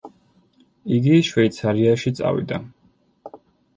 იგი შვეიცარიაში წავიდა.